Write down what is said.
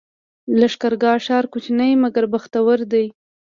لښکرګاه ښار کوچنی مګر بختور دی